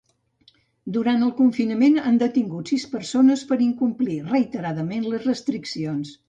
Durant el confinament, han detingut sis persones per incomplir reiteradament les restriccions.